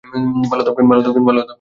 ভালো থাকবেন।